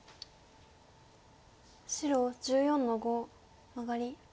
白１４の五マガリ。